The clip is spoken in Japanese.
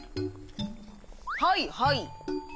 はいはい。